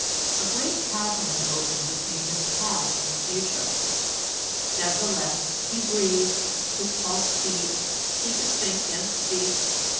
A great chasm had opened between his past and future; nevertheless he breathed, his pulse beat, he could think and speak.